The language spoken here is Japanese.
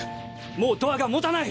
もうドアが持たない！